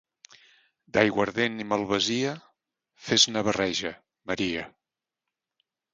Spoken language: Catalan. D'aiguardent i malvasia, fes-ne barreja, Maria.